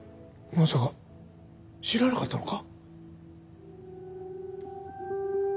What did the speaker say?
まさか知らなかったのか？